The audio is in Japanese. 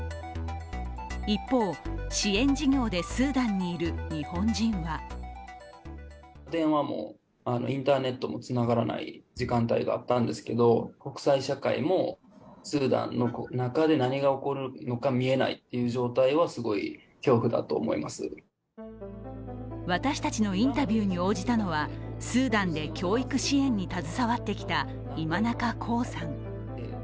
一方、支援事業でスーダンにいる日本人は私たちのインタビューに応じたのは、スーダンで教育支援に携わってきた今中航さん。